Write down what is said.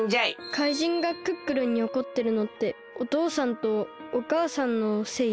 かいじんがクックルンにおこってるのっておとうさんとおかあさんのせい？